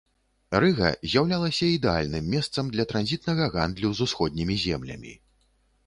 Рыга з'яўлялася ідэальным месцам для транзітнага гандлю з усходнімі землямі.